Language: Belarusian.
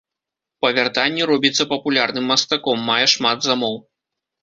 Па вяртанні робіцца папулярным мастаком, мае шмат замоў.